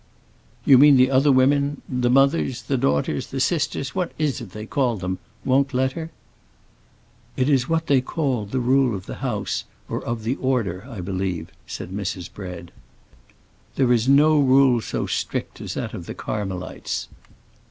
"You mean the other women—the mothers, the daughters, the sisters; what is it they call them?—won't let her?" "It is what they call the rule of the house,—or of the order, I believe," said Mrs. Bread. "There is no rule so strict as that of the Carmelites.